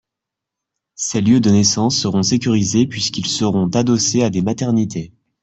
Ces lieux de naissance seront sécurisés puisqu’ils seront adossés à des maternités.